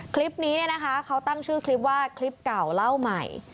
คลิปนี้เนี่ยนะคะเขาตั้งชื่อคลิปว่าคลิปเก่าเล่าใหม่